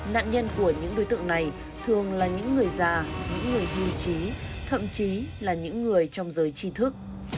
nạn nhân của những đối tượng này thường là những người già những người thiêu chí thậm chí là những người trong giới chi thức